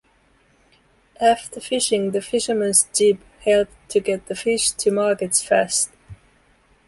After fishing the fisherman's jib helped to get the fish to markets fast.